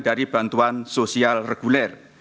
dari bantuan sosial reguler